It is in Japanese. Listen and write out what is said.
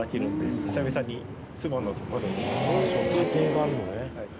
あそう家庭があるのね。